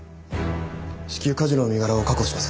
至急梶野の身柄を確保します。